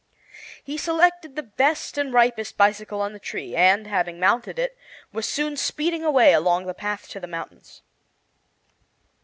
He selected the best and ripest bicycle on the tree, and, having mounted it, was soon speeding away along the path to the mountains.